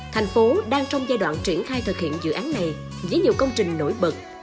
thành phố đang trong giai đoạn triển khai thực hiện dự án này với nhiều công trình nổi bật